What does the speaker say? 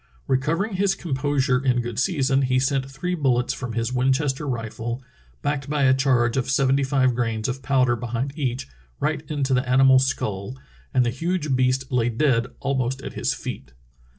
Recovering his composure in good season, he sent three bullets from his Winchester rifle, backed by a charge of sevent3^ five grains of powder behind each, right into the animal's skull, and the huge beast lay dead almost at his feet.'